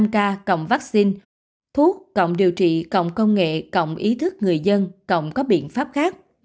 năm k cộng vaccine thuốc cộng điều trị cộng công nghệ cộng ý thức người dân cộng có biện pháp khác